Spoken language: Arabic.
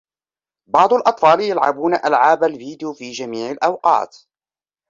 بعض الأطفال يلعبون ألعاب الفيديو في جميع الأوقات.